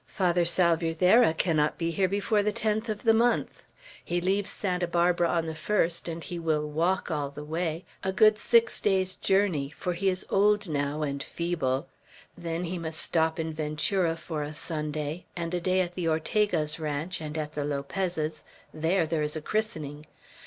Father Salvierderra cannot be here before the 10th of the month. He leaves Santa Barbara on the 1st, and he will walk all the way, a good six days' journey, for he is old now and feeble; then he must stop in Ventura for a Sunday, and a day at the Ortega's ranch, and at the Lopez's, there, there is a christening.